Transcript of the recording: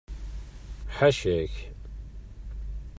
Ḥaca-k!